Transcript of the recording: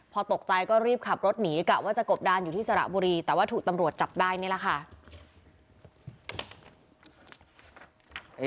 พอตกใจก็รีบขับรถหนีกะว่าจะกบดานอยู่ที่สระบุรีแต่ว่าถูกตำรวจจับได้นี่แหละค่ะ